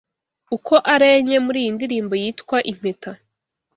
uko ari enye muri iyi ndirimbo yitwa Impeta